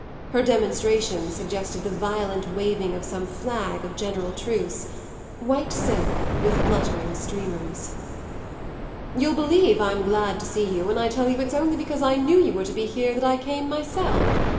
Her demonstrations suggested the violent waving of some flag of general truce white silk with fluttering streamers. "You'll believe I'm glad to see you when I tell you it's only because I knew you were to be here that I came myself.